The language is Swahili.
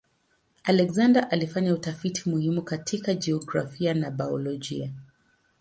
Alexander alifanya utafiti muhimu katika jiografia na biolojia.